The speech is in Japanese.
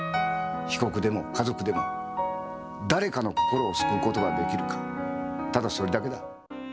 被告でも家族でも誰かの心を救うことができるか、ただそれだけだ。